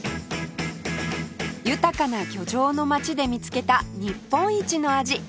豊かな漁場の街で見つけた日本一の味